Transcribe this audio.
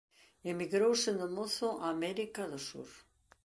Emigrou sendo mozo a América do Sur.